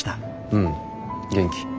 うん元気。